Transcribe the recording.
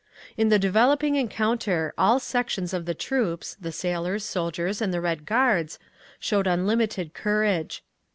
In the developing encounter all sections of the troops—the sailors, soldiers and the Red Guards—showed unlimited courage.